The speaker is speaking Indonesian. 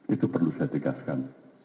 itu perlu saya tegaskan